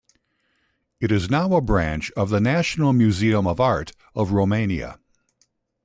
It is now a branch of The National Museum of Art of Romania.